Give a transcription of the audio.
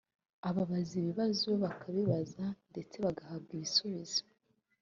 ababaza ibibazo bakabibaza ndetse bagahabwa ibisubizo